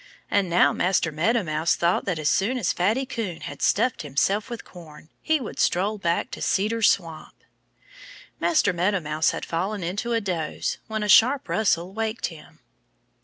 And now Master Meadow Mouse thought that as soon as Fatty Coon had stuffed himself with corn he would stroll back to Cedar Swamp. Master Meadow Mouse had fallen into a doze when a sharp rustle waked him.